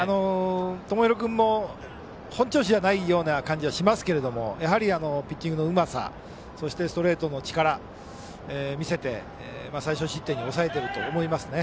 友廣君も本調子じゃないような感じはしますけどもやはり、ピッチングのうまさストレートの力を見せて最少失点に抑えていると思います。